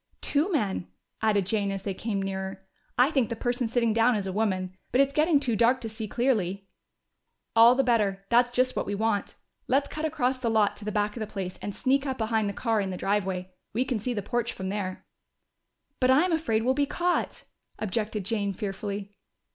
"Two men," added Jane as they came nearer. "I think the person sitting down is a woman. But it's getting too dark to see clearly." "All the better! That's just what we want. Let's cut across the lot to the back of the place, and sneak up behind the car in the driveway. We can see the porch from there." "But I'm afraid we'll be caught," objected Jane fearfully.